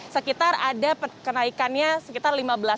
sekitar ada kenaikannya sekitar lima belas